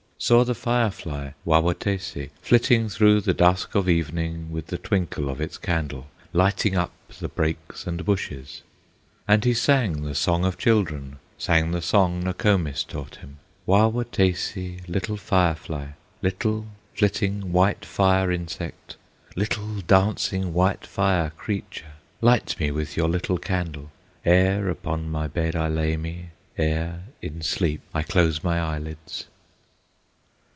Saw the fire fly, Wah wah taysee, Flitting through the dusk of evening, With the twinkle of its candle Lighting up the brakes and bushes, And he sang the song of children, Sang the song Nokomis taught him: "Wah wah taysee, little fire fly, Little, flitting, white fire insect, Little, dancing, white fire creature, Light me with your little candle, Ere upon my bed I lay me, Ere in sleep I close my eyelids!"